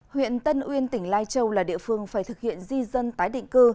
huyện tân uyên tỉnh lai châu là địa phương phải thực hiện di dân tái định cư